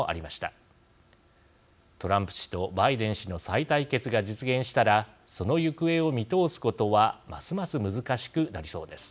トランプ氏とバイデン氏の再対決が実現したらその行方を見通すことはますます難しくなりそうです。